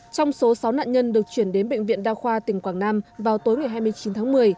trong số sáu nạn nhân được chuyển đến bệnh viện đa khoa tỉnh quảng nam vào tối ngày hai mươi chín tháng một mươi